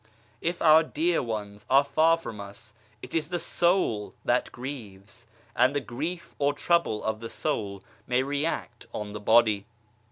If our dear ones are far from us it is the soul that grieves, and the grief or trouble of the soul may react on the body.